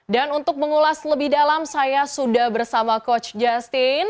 dan untuk mengulas lebih dalam saya sudah bersama coach justin